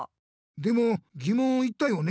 でもぎもんを言ったよね？